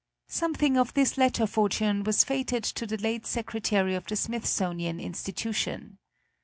Something of this latter fortune was fated to the late Secretary of the Smithsonian Institution.